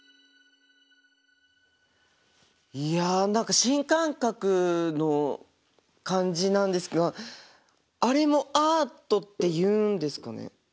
いや何か新感覚の感じなんですがあれもアートっていうんですかね？